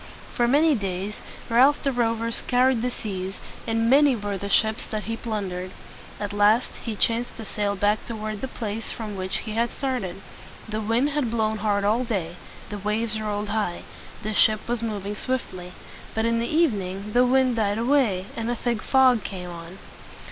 For many days, Ralph the Rover scoured the seas, and many were the ships that he plun dered. At last he chanced to sail back toward the place from which he had started. The wind had blown hard all day. The waves rolled high. The ship was moving swiftly. But in the evening the wind died away, and a thick fog came on.